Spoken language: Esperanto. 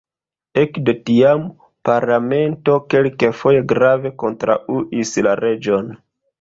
Ekde tiam, parlamento kelkfoje grave kontraŭis la reĝon.